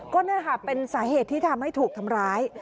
ก็เป็นสาเหตุที่ทำให้ถูกทำร้าย